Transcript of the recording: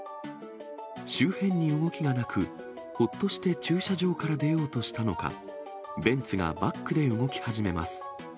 周辺に動きがなく、ほっとして駐車場から出ようとしたのか、ベンツがバックで動き始めます。